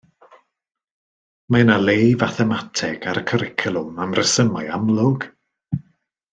Mae yna le i fathemateg ar y cwricwlwm am resymau amlwg